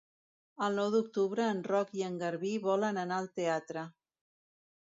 El nou d'octubre en Roc i en Garbí volen anar al teatre.